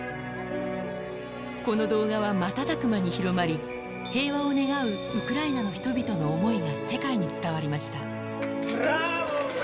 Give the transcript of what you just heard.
この動画は瞬く間に広まり、平和を願うウクライナの人々の思いが世界に伝わりました。